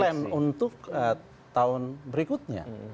plan untuk tahun berikutnya